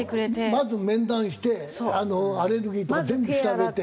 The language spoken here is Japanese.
まず面談してアレルギーとか全部調べて。